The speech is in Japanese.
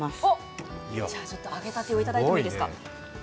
じゃあ、揚げたてをいただいていいですか？